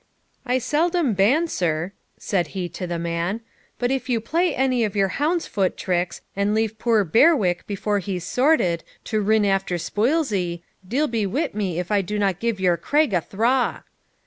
'I seldom ban, sir,' said he to the man; 'but if you play any of your hound's foot tricks, and leave puir Berwick before he's sorted, to rin after spuilzie, deil be wi' me if I do not give your craig a thraw.'